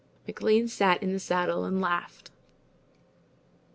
McLean sat in the saddle and laughed.